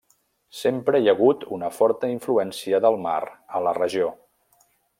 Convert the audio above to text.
Sempre hi ha hagut una forta influència del mar a la regió.